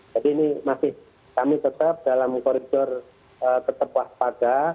jadi ini masih kami tetap dalam koridor tetap waspada